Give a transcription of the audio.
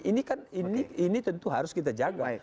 ini kan tentu harus kita jaga